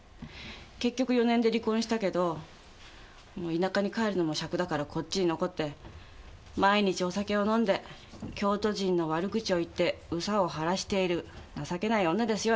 結局４年で離婚したけど田舎に帰るのもしゃくだからこっちに残って毎日お酒を飲んで京都人の悪口を言って憂さを晴らしている情けない女ですよ